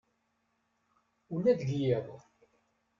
Ula deg yiḍ.